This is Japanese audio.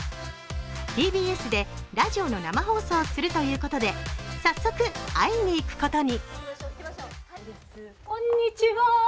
ＴＢＳでラジオの生放送をするということで早速、会いにいくことに。